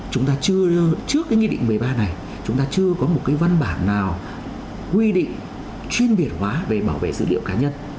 chúng ta trước cái nghị định một mươi ba này chúng ta chưa có một cái văn bản nào quy định chuyên biệt hóa về bảo vệ dữ liệu cá nhân